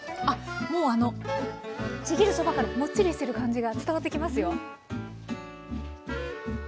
あっもうあのちぎるそばからもっちりしてる感じが伝わってきますよ。